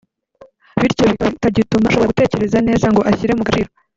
bityo bikaba bitagituma ashobora gutekereza neza ngo ashyire mu gaciro